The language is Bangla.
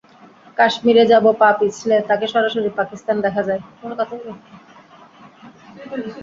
কাশ্মিরে যার পা পিছলে, তাকে সরাসরি পাকিস্তানে দেখা যায়।